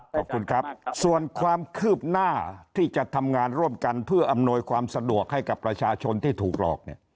ขอบคุณครับส่วนความคืบหน้าที่จะทำงานร่วมกันเพื่ออำนวยความสะดวกให้กับประชาชนที่ถูกหลอกเนี่ย